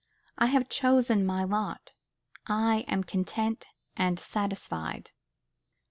I have chosen my lot. I am content and satisfied.